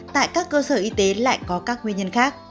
tại các cơ sở y tế lại có các nguyên nhân khác